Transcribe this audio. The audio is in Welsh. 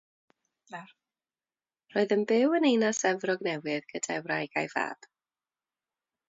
Roedd yn byw yn Ninas Efrog Newydd gyda'i wraig a'i fab.